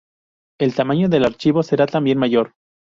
el tamaño del archivo será también mayor